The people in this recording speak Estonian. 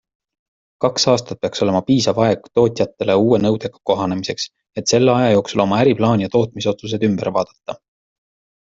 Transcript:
Kaks aastat peaks olema piisav aeg tootjatele uue nõudega kohanemiseks, et selle aja jooksul oma äriplaan ja tootmisotsused ümber vaadata.